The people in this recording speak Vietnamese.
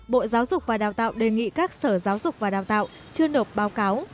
bộ giáo dục và đào tạo đề nghị các sở giáo dục và đào tạo chưa nộp báo cáo